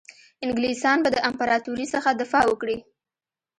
انګلیسیان به د امپراطوري څخه دفاع وکړي.